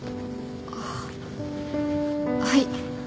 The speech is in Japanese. あっはい。